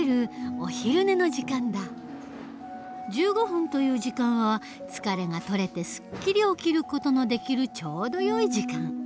１５分という時間は疲れが取れてすっきり起きる事のできるちょうどよい時間。